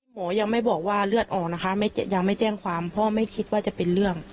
หมอยังไม่บอกว่าเลือดออกนะคะยังไม่แจ้งความพ่อไม่คิดว่าจะเป็นเรื่อง